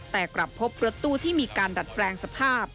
แต่กลับพบรถตู้ที่มีการดัดแปลงสภาพ